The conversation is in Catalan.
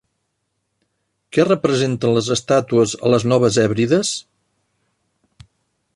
Què representen les estàtues a les Noves Hèbrides?